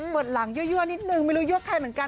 เบิดหลังเยอะนิดหนึ่งไม่รู้เยอะใครเหมือนกัน